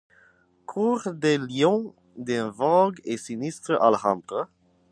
Cour des lions d’un vague et sinistre Alhambra ;